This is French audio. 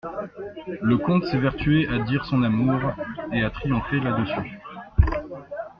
Le comte s'évertuait à dire son amour, et à triompher là-dessus.